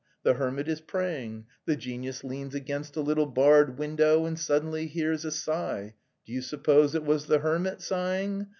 The hermit is praying. The genius leans against a little barred window, and suddenly hears a sigh. Do you suppose it was the hermit sighing?